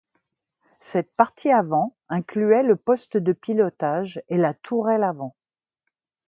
Cette partie avant incluait le poste de pilotage et la tourelle avant.